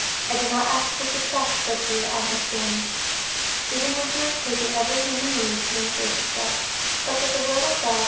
'I do not ask for success,' said dear Agnes Jones, even while she was taking every human means to ensure success, 'but that the will of God may be done in me and by me.'"